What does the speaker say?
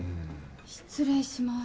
失礼します。